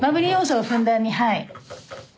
はい。